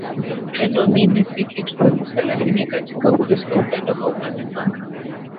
upendo mimi si kitu kabisa Lakini katika Ukristo upendo hauna mipaka